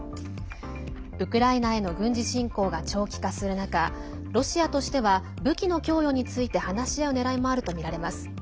ウクライナへの軍事侵攻が長期化する中ロシアとしては武器の供与について話し合うねらいもあるとみられます。